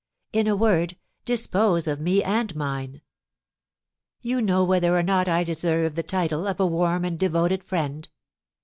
In a word, dispose of me and mine. You know whether or not I deserve the title of a warm and devoted friend!"